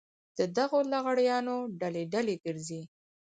د دغو لغړیانو ډلې ډلې ګرځي.